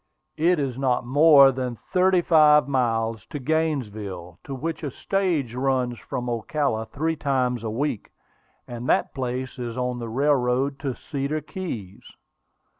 It is not more than thirty five miles to Gainesville, to which a stage runs from Ocala three times a week; and that place is on the railroad to Cedar Keys.